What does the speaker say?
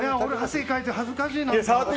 汗かいて恥ずかしいのに。